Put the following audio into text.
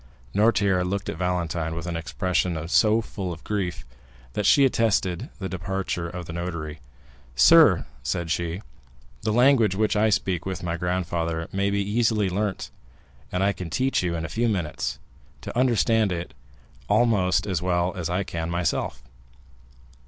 Noirtier looked at Valentine with an expression so full of grief, that she arrested the departure of the notary. "Sir," said she, "the language which I speak with my grandfather may be easily learnt, and I can teach you in a few minutes, to understand it almost as well as I can myself.